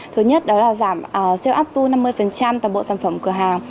thứ nhất đó là giảm sale up to năm mươi tầm bộ sản phẩm cửa hàng